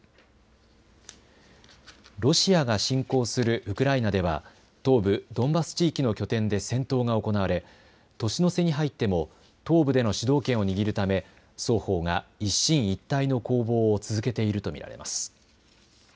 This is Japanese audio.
ロシアが侵攻するウクライナでは東部ドンバス地域の拠点で戦闘が行われ年の瀬に入っても東部での主導権を握るため双方が一進一退の攻防を続けていると見られます。